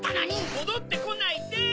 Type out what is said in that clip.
もどってこないです！